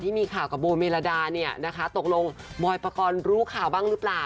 ที่มีข่าวกับโบเมลดาเนี่ยนะคะตกลงบอยปกรณ์รู้ข่าวบ้างหรือเปล่า